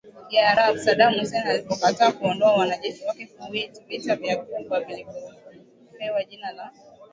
Kiarabu Saddam Hussein alipokataa kuondoa wanajeshi wake Kuwait Vita vya Ghuba vilivyopewa jina la